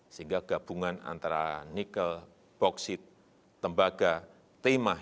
sehingga gabungan antara nikel boksit tembaga tema